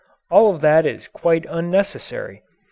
All of that is quite unnecessary.